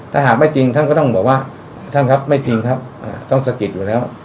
ถ้าหากไม่จริงท่านก็ต้องบอกว่าท่านครับไม่จริงครับต้องสะกิดอยู่แล้ว